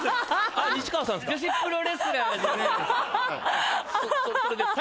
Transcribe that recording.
あ西川さんですか。